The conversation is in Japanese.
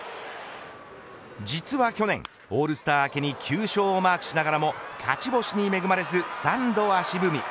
実は去年オールスター明けに９勝をマークしながらも勝ち星に恵まれず３度足踏み。